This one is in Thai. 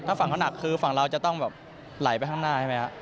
ถ้าฝั่งเขาหนักคือฝั่งเราจะต้องแบบไหลไปข้างหน้าใช่ไหมครับ